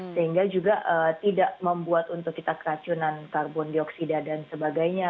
sehingga juga tidak membuat untuk kita keracunan karbon dioksida dan sebagainya